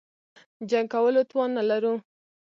جنګ کولو توان نه لرو.